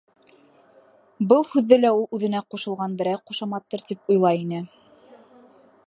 Был һүҙҙе лә ул үҙенә ҡушылған берәй ҡушаматтыр тип уйлай ине.